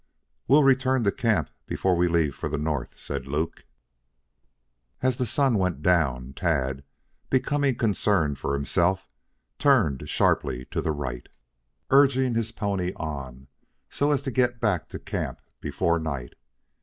"We'll return to camp before we leave for the north," said Luke. As the sun went down, Tad, becoming concerned for himself, turned sharply to the right, urging his pony on so as to get back to camp before night.